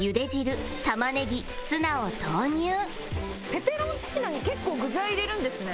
ペペロンチーノに結構具材入れるんですね。